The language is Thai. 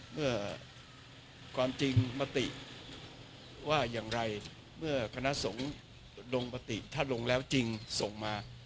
เมื่อความจริงมติว่าอย่างไรเมื่อคณะสงฆ์ลงมติถ้าลงแล้วจริงส่งมา